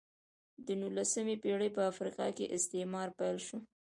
د نولسمې پېړۍ په افریقا کې استعمار پیل شو.